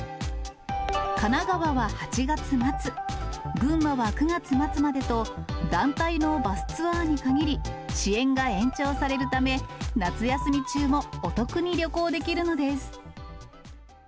神奈川は８月末、群馬は９月末までと、団体のバスツアーに限り、支援が延長されるため、夏休み中もお得に旅行できるのです。